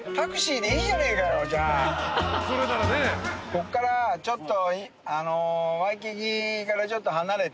こっからちょっと。